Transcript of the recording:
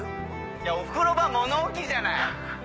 いやお風呂場物置じゃない！